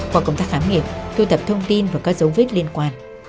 quả công tác khám nghiệp thu tập thông tin và các dấu vết liên quan